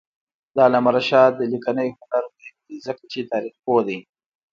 د علامه رشاد لیکنی هنر مهم دی ځکه چې تاریخپوه دی.